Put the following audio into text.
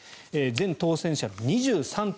全当選者の２３．２％。